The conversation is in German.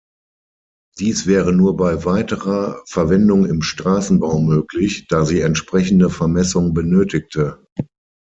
Dies wäre nur bei weiterer Verwendung im Straßenbau möglich, da sie entsprechende Vermessung benötigte.